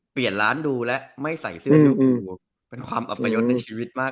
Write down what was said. เปลี่ยนร้านดูและไม่ใส่เสื้อดูโอ้โหเป็นความอัพยศในชีวิตมาก